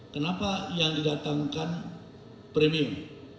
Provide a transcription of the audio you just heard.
kenapa yang didatangkan premium